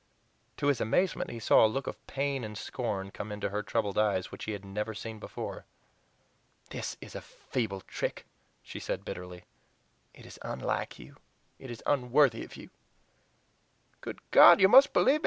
To his amazement he saw a look of pain and scorn come into her troubled eyes which he had never seen before. "This is a feeble trick," she said bitterly; "it is unlike you it is unworthy of you!" "Good God! You must believe me.